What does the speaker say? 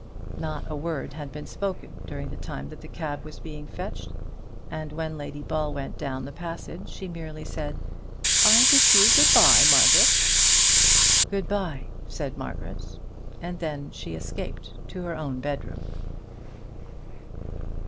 Not a word had been spoken during the time that the cab was being fetched, and when Lady Ball went down the passage, she merely said, "I wish you good bye, Margaret." "Good bye," said Margaret, and then she escaped to her own bedroom.